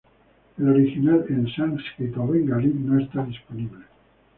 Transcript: El original en sánscrito o bengalí no está disponible.